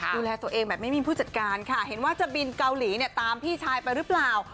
ดูแลตัวเองแบบไม่มีผู้จัดการค่ะเห็นว่าจะบินเกาหลีเนี่ยตามพี่ชายไปหรือเปล่า